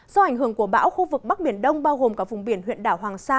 do ảnh hưởng của bão khu vực bắc biển đông bao gồm cả vùng biển huyện đảo hoàng sa